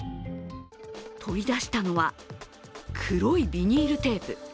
取り出したのは黒いビニールテープ。